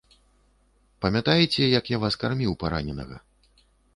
Памятаеце, як я вас карміў параненага?